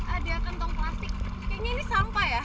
ada kantong plastik kayaknya ini sampah ya